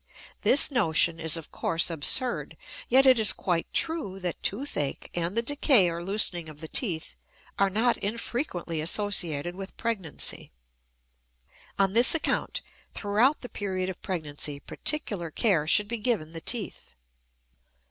This notion is of course absurd, yet it is quite true that toothache and the decay or loosening of the teeth are not infrequently associated with pregnancy. On this account, throughout the period of pregnancy particular care should be given the teeth.